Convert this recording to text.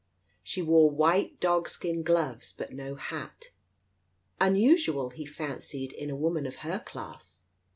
She wore white dog skin gloves, but no hat. Unusual, he fancied, in a woman of her class.